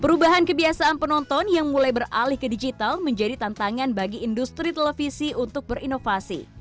perubahan kebiasaan penonton yang mulai beralih ke digital menjadi tantangan bagi industri televisi untuk berinovasi